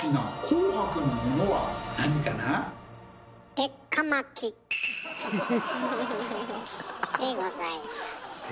でございます。